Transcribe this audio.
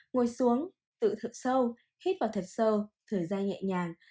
ngồi xuống tự thở sâu hít vào thật sâu thở ra nhẹ nhàng